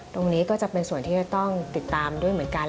ตรงนี้ก็จะเป็นส่วนที่จะต้องติดตามด้วยเหมือนกัน